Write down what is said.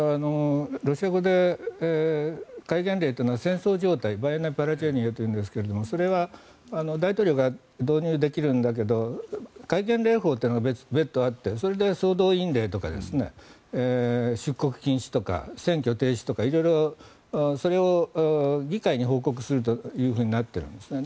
ロシア語で戒厳令というのは戦争状態というんですがそれは大統領が導入できるんだけど戒厳令法というのが別途あってそれで総動員令とか出国禁止とか選挙停止とか色々、議会に報告するとなっているんですね。